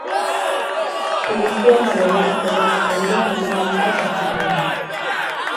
Eguzkia eta beroa, beraz, berriro protagonistak ostiralean.